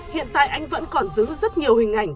hiện tại anh vẫn còn giữ rất nhiều hình ảnh